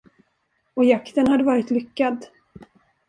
Och jakten hade varit lyckad.